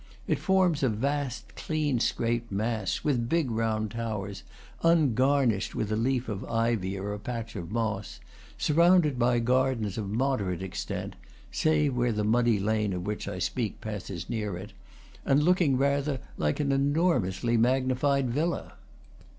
It forms a vast clean scraped mass, with big round towers, ungarnished with a leaf of ivy or a patch of moss, surrounded by gardens of moderate extent (save where the muddy lane of which I speak passes near it), and looking rather like an enormously magnified villa.